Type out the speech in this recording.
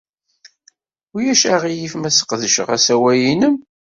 Ulac aɣilif ma sqedceɣ asawal-nnem?